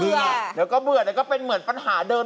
เดี๋ยวก็เบื่อแล้วก็เป็นเหมือนปัญหาเดิม